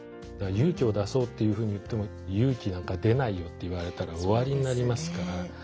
勇気を出そうっていうふうに言っても勇気なんか出ないよって言われたら終わりになりますから。